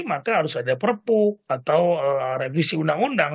maka harus ada perpu atau revisi undang undang